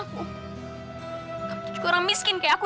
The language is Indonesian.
kamu tuh kurang miskin kayak aku